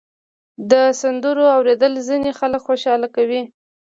د سندرو اورېدل ځینې خلک خوشحاله کوي.